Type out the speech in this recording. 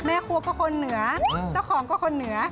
ครัวก็คนเหนือเจ้าของก็คนเหนือ